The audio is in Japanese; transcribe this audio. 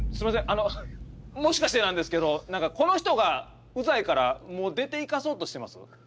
あのもしかしてなんですけど何かこの人がうざいからもう出ていかそうとしてます？